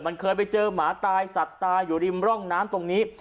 มันเคยไปเจอหมาตายสัตว์ตายอยู่ริมร่องน้ำตรงนี้